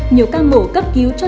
nhiều ca mổ cấp cứu cho